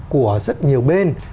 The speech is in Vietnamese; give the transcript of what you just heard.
của rất nhiều bên